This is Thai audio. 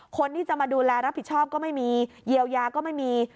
คนที่จะมาดูแลรับผิดชอบก็ไม่มีเยียวยาก็ไม่มี